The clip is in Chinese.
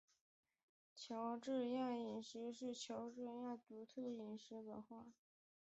乔治亚饮食是指乔治亚独特的饮食文化。